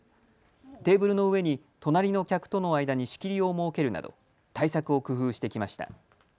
テーブルの上に隣の客との間に仕切りを設けるなど対策を工夫してきました。